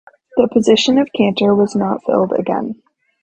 The position of Kantor was not filled again.